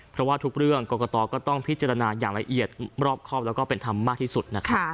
เพราะว่าทุกเรื่องกรกตก็ต้องพิจารณาอย่างละเอียดรอบครอบแล้วก็เป็นธรรมมากที่สุดนะคะ